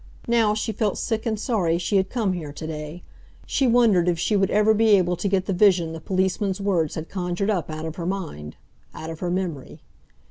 Now she felt sick and sorry she had come here to day. She wondered if she would ever be able to get the vision the policeman's words had conjured up out of her mind—out of her memory.